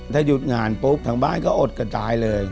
ถ้าหยุดงานปุ๊บทางบ้านก็อดกระจายเลย